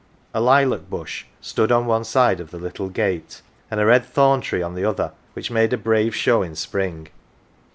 A lilac bush stood on one side of the little gate, and a red thorn tree on the other, which made a brave show in spring.